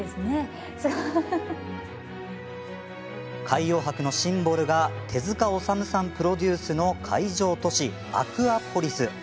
海洋博のシンボルが手塚治虫さんプロデュースの海上都市、アクアポリス。